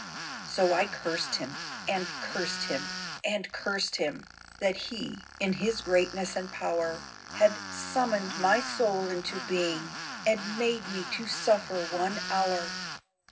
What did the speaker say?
So I cursed Him and cursed Him and cursed Him! That He, in his greatness and power, Had summoned my soul into being, And made me to suffer one hour.